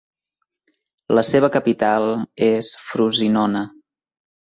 La seva capital és Frosinone.